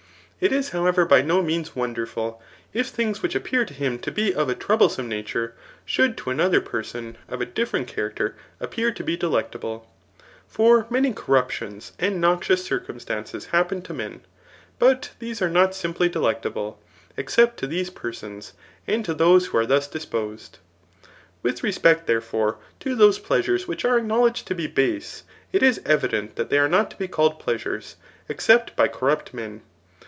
It is, however, by no means wonderful, if things which appear to him to be of a troublesome na ture, should to another person [of a different character,3 appear to be delectable. Foot many corruptions and noxioUs circumstances happen to men; but these are not [^mply] d^ectable, except to these persons, and to those who are dius deposed. With respect, therefore, to those plea sures which are acknowledged to be base, it is evident that Aey are not to be called pleasures, except by cor* rupt men.